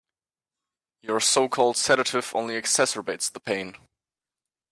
Your so-called sedative only exacerbates the pain.